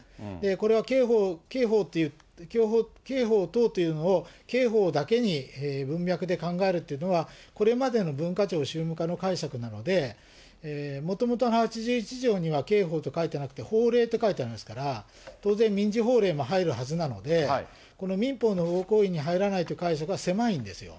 これは刑法等というのを、刑法だけに文脈で考えるというのは、これまでの文化庁宗務課の解釈なので、もともとの８１条には、刑法と書いてなくて法令って書いてありますから、当然民事法例も入るはずなので、この民法の不法行為に入らないという解釈は狭いんですよ。